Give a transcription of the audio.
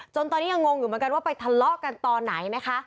ตอนนี้ยังงงอยู่เหมือนกันว่าไปทะเลาะกันตอนไหนนะคะ